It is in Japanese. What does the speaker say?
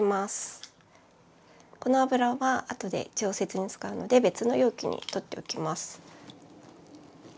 この油はあとで調節に使うので別の容器にとっておきます。